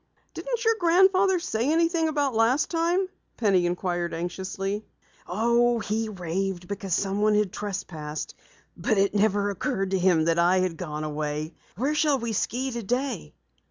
"Didn't your grandfather say anything about last time?" Penny inquired anxiously. "Oh, he raved because someone had trespassed. But it never occurred to him I had gone away. Where shall we ski today?"